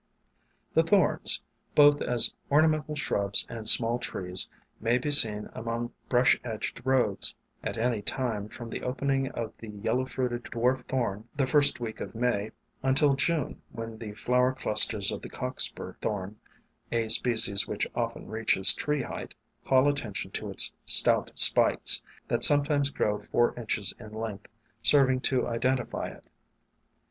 The Thorns, both as ornamental shrubs and small trees, may be seen along brush edged roads at any time from the opening of the Yellow fruited Dwarf Thorn the first week in May, until June, when the flower clusters of the Cockspur Thorn, a species which often reaches tree height, WAYFARERS 277 call attention to its stout spikes, that sometimes grow four inches in length, serving to identify it.